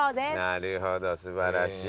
なるほど素晴らしい。